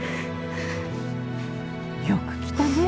よく来たね。